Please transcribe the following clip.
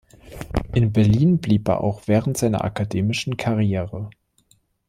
In Berlin blieb er auch während seiner akademischen Karriere.